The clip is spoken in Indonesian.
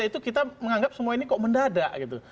itu kita menganggap semua ini kok mendadak gitu